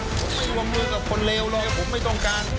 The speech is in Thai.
ผมไม่วงมือกับคนเลวเลยผมไม่ต้องการ